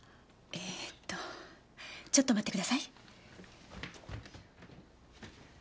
えーとちょっと待ってください。